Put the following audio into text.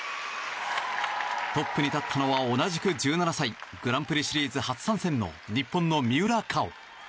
トップに立ったのは同じく１７歳グランプリシリーズ初参戦の日本の三浦佳生。